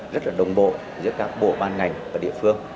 rất là đồng bộ giữa các bộ ban ngành và địa phương